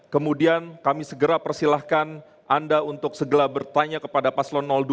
kemudian kami segera persilahkan anda untuk segera bertanya kepada paslon dua